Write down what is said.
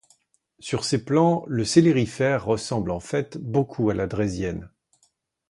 Sur ces plans, le célérifère ressemble en fait beaucoup à la draisienne.